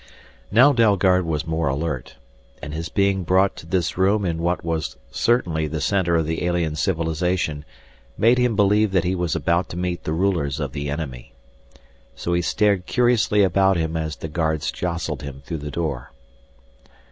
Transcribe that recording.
Now Dalgard was more alert, and his being brought to this room in what was certainly the center of the alien civilization made him believe that he was about to meet the rulers of the enemy. So he stared curiously about him as the guards jostled him through the door.